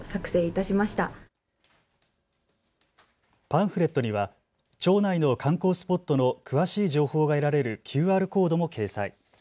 パンフレットには町内の観光スポットの詳しい情報が得られるＱＲコードも掲載。